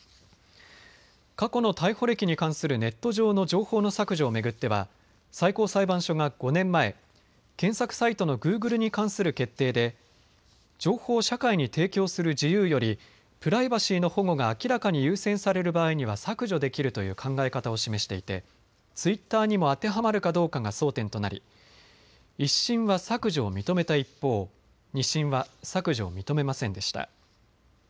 過去の逮捕歴に関するネット上の情報の削除を巡っては最高裁判所が５年前、検索サイトのグーグルに関する決定で情報を社会に提供する自由よりプライバシーの保護が明らかに優先される場合には削除できるという考え方を示していてツイッターにも当てはまるかどうかが争点となり１審は削除を認めた一方、２審は削除を認めませんでした。